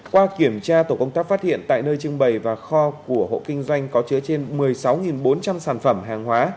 qua kiểm tra tổ công tác phát hiện tại nơi trưng bày và kho của hộ kinh doanh có chứa trên một mươi sáu bốn trăm linh sản phẩm hàng hóa